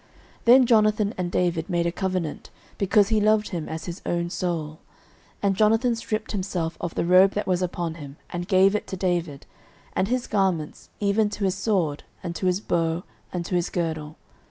09:018:003 Then Jonathan and David made a covenant, because he loved him as his own soul. 09:018:004 And Jonathan stripped himself of the robe that was upon him, and gave it to David, and his garments, even to his sword, and to his bow, and to his girdle.